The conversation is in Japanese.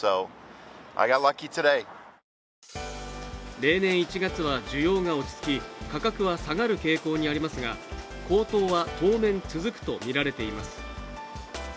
例年１月は需要が落ち着き価格は下がる傾向にありますが高騰は当面続くと見られています